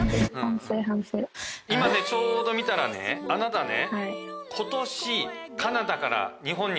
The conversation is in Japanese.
今ねちょうど見たらねあなたね。